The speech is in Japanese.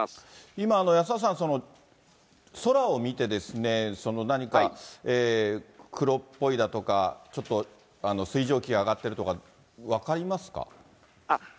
今、安田さん、空を見てですね、何か黒っぽいだとか、ちょっと水蒸気が上がってるとか、分かりますか？